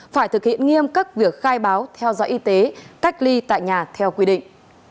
phải thực hiện nghiêm các việc khai báo theo dõi y tế cách ly tại nhà theo quy định